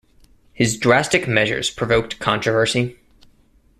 His drastic measures provoked controversy.